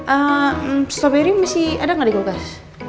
eh strawberry masih ada gak di kulkas